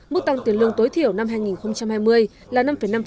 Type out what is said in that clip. mức tăng tiền lương tối thiểu năm hai nghìn hai mươi là năm năm